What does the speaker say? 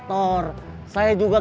dan sabi rachel want